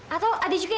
atau ada juga yang